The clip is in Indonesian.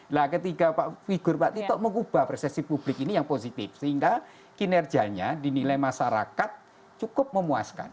nah ketika pak figur pak tito mengubah persepsi publik ini yang positif sehingga kinerjanya dinilai masyarakat cukup memuaskan